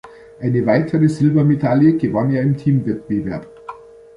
Eine weitere Silbermedaille gewann er im Teamwettbewerb.